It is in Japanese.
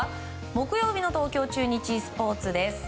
木曜日の東京中日スポーツです。